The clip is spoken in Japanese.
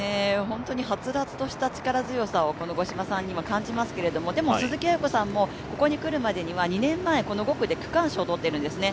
はつらつとした力強さを五島さんには感じますけどでも、鈴木亜由子さんもここに来る前、２年前にこの５区で区間賞撮っているんですね。